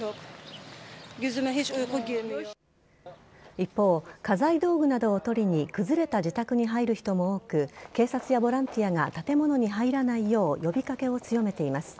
一方、家財道具などを取りに崩れた自宅に入る人も多く警察やボランティアが建物に入らないよう呼び掛けを強めています。